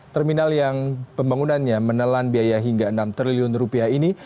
terminal yang pembangunannya menelan biaya hingga enam triliun rupiah ini